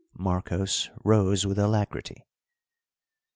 Marcos rose with alacrity.